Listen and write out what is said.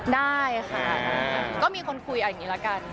ได้ค่ะก็มีคนคุยเอาอย่างนี้ละกัน